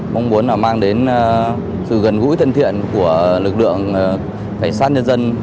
mong muốn mang đến sự gần gũi thân thiện của lực lượng cảnh sát nhân dân